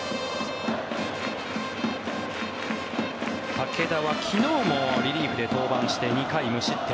武田は昨日もリリーフで登板して２回無失点。